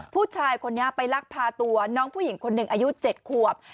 ผู้ชายคนนี้ไปลักพาตัวน้องผู้หญิงคนหนึ่งอายุ๗ขวบ